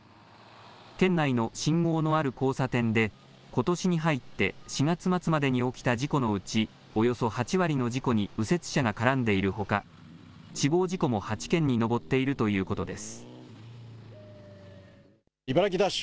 県内の信号のある交差点で、ことしに入って４月末までに起きた事故のうち、およそ８割の事故に右折車が絡んでいるほか、死亡事故も８件に上っているということです。